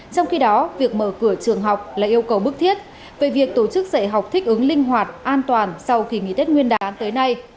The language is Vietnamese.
trong khi đó việc mở cửa trường học là yêu cầu bức thiết về việc tổ chức dạy học thích ứng linh hoạt an toàn sau kỳ nghỉ tết nguyên đán tới nay